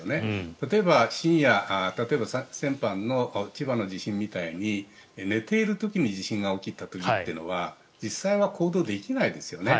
例えば深夜先般の千葉の地震みたいに寝ている時に地震が起きた時っていうのは実際は行動できないですよね。